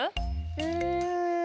うん。